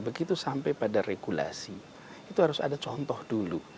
begitu sampai pada regulasi itu harus ada contoh dulu